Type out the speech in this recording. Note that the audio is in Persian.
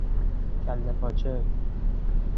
کله پاچه